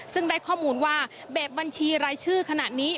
ซึ่งได้ข้อมูลว่าแบบบัญชีรายชื่อขณะนี้